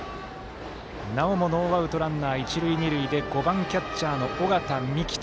なおもノーアウト、一塁二塁で５番、キャッチャーの尾形樹人。